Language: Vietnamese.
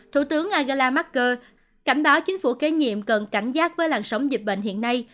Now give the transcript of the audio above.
thủ tướng angela marker cảnh báo chính phủ kế nhiệm cần cảnh giác với làn sóng dịch bệnh hiện nay